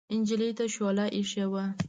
نجلۍ ته شوله اېښې وه.